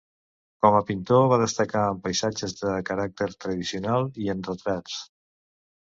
Com a pintor va destacar en paisatges de caràcter tradicional i en retrats.